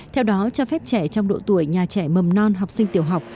theo đó cho phép trẻ trong độ tuổi nhà trẻ mầm non học sinh tiểu học